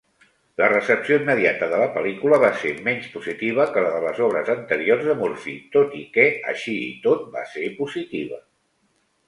La recepció immediata de la pel·lícula va ser menys positiva que la de les obres anteriors de Murphy, tot i que, així i tot, va ser positiva.